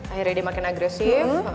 akhirnya dia makin agresif